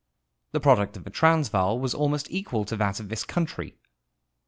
The product of the Transvaal was almost, equal to that of this countr}'.